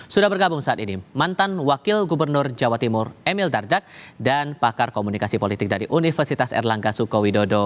sudah bergabung saat ini mantan wakil gubernur jawa timur emil dardak dan pakar komunikasi politik dari universitas erlangga suko widodo